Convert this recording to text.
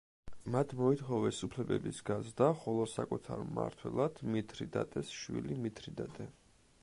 მათ მოითხოვეს უფლებების გაზრდა, ხოლო საკუთარ მმართველად მითრიდატეს შვილი მითრიდატე.